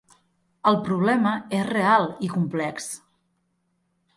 El problema és real i complex.